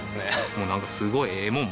もうなんかすごいええもん